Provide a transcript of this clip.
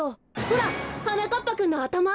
ほらはなかっぱくんのあたま。